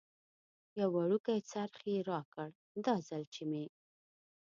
یو وړوکی څرخ یې راکړ، دا ځل چې مې.